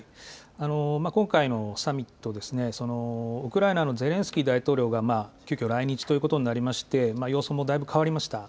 今回のサミット、ウクライナのゼレンスキー大統領が急きょ来日ということになって様相もだいぶ変わりました。